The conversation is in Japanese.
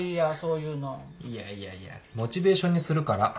いやいやいやモチベーションにするから。